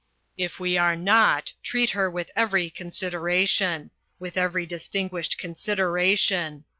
If we are not, treat her with every consideration, with every distinguished consideration.